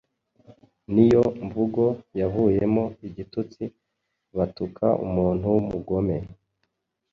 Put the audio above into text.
niyo mvugo yavuyemo igitutsi batuka umuntu w'umugome